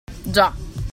Già!